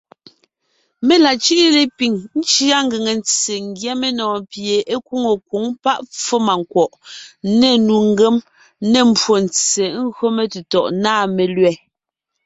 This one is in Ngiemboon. Mé la cʉ́ʼʉ lepiŋ , ńcʉa ngʉŋe ntse ńgyɛ́ menɔ̀ɔn pie é nkwóŋo nkwǒŋ páʼ pfómànkwɔ̀ʼ, ne nnu ngém, ne mbwóntse gÿo metetɔ̀ʼ nâ melẅɛ̀.